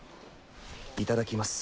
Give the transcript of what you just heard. いただきます。